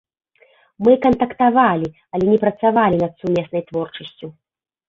Мы кантактавалі, але не працавалі над сумеснай творчасцю.